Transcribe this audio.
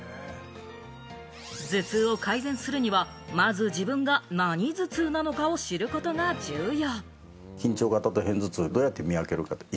頭痛を改善するには、まず自分が何頭痛なのかを知ることが重要。